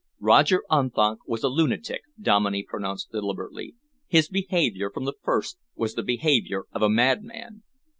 "Roger Unthank was a lunatic," Dominey pronounced deliberately. "His behaviour from the first was the behaviour of a madman."